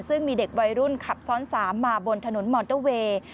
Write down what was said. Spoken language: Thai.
ซึ่งมีเด็กวัยรุ่นขับซ้อน๓มาบนถนนมอเตอร์เวย์